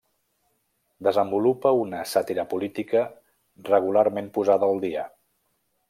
Desenvolupa una sàtira política regularment posada al dia.